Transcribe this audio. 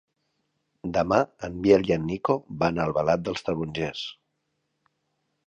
Demà en Biel i en Nico van a Albalat dels Tarongers.